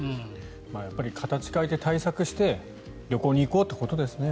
やっぱり形を変えて対策して旅行に行こうということですね。